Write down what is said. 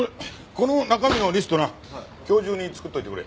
この中身のリストな今日中に作っておいてくれ。